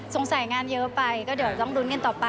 งานเยอะไปก็เดี๋ยวต้องลุ้นกันต่อไป